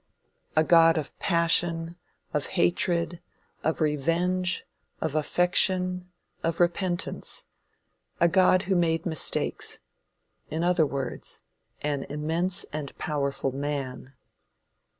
A God of passion, of hatred, of revenge, of affection, of repentance; a God who made mistakes: in other words, an immense and powerful man.